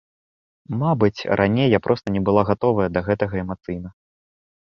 Мабыць, раней я проста не была гатовая да гэтага эмацыйна.